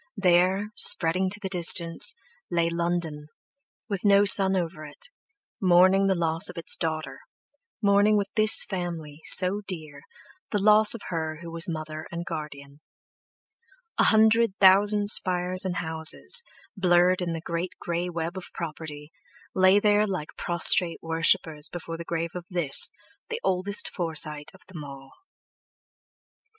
There—spreading to the distance, lay London, with no sun over it, mourning the loss of its daughter, mourning with this family, so dear, the loss of her who was mother and guardian. A hundred thousand spires and houses, blurred in the great grey web of property, lay there like prostrate worshippers before the grave of this, the oldest Forsyte of them all.